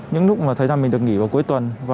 những lúc mà thời gian mình được nghỉ vào cuối tuần